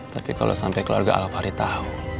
tapi kalau sampai keluarga alvari tahu